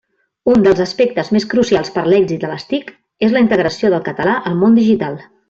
Un dels aspectes més crucials per l'èxit de les TIC és la integració del català al món digital.